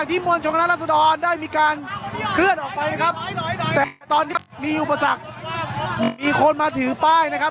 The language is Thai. ที่มวลชนคณะรัศดรได้มีการเคลื่อนออกไปนะครับแต่ตอนนี้มีอุปสรรคมีคนมาถือป้ายนะครับ